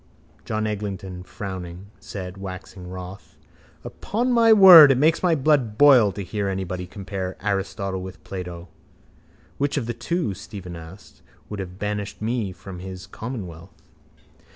John Eglinton, frowning, said, waxing wroth: —Upon my word it makes my blood boil to hear anyone compare Aristotle with Plato. —Which of the two, Stephen asked, would have banished me from his commonwealth?